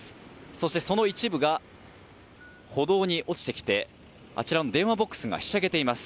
そして、その一部が歩道に落ちてきてあちらの電話ボックスがひしゃげています。